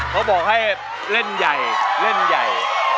เขาบอกให้เล่นใหญ่เล่นใหญ่